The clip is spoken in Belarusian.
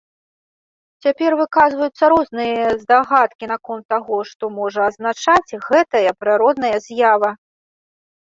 Цяпер выказваюцца розныя здагадкі наконт таго, што можа азначаць гэтая прыродная з'ява.